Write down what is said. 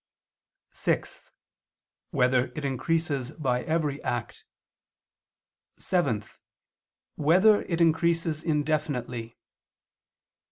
(6) Whether it increases by every act? (7) Whether it increases indefinitely?